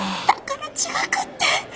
だから違くって！